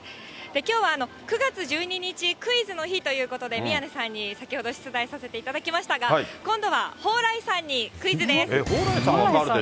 きょうは９月１２日、クイズの日ということで、宮根さんに先ほど出題させていただきましたが、今度は蓬莱さんに蓬莱さん、分かるでしょう。